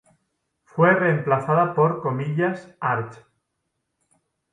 Fue reemplazada por "Arch.